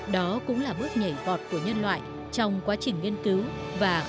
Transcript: đó cũng là bước nhảy bọt của nhân loại trong quá trình nghiên cứu và khám phá vũ trụ